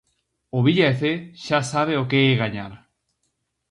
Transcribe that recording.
O Villa de Cee xa sabe o que é gañar.